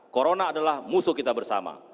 corona adalah musuh kita bersama